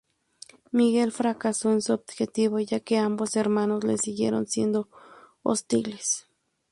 Miguel fracasó en su objetivo ya que ambos hermanos le siguieron siendo hostiles.